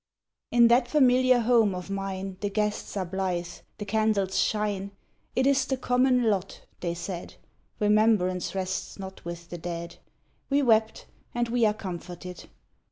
In that familiar home of mine The guests are blithe, — the candles shine :— 'It is the common lot' they said, Remembrance rests not with the dead ;— We wept, and we are comforted.